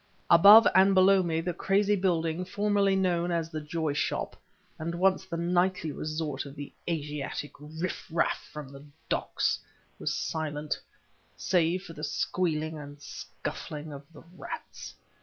Above and below me the crazy building formerly known as the Joy Shop and once the nightly resort of the Asiatic riff raff from the docks was silent, save for the squealing and scuffling of the rats.